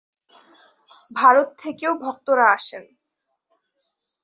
ভারত থেকেও ভক্তরা আসেন।